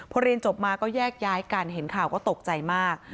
พอเรียนจบมาก็แยกย้ายกันเห็นข่าวก็ตกใจมาก